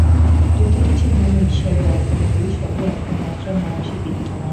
যত কিছু গুণ ঈশ্বরে অর্পণ করি, সবই অল্পমাত্রায় মানুষে বিদ্যমান।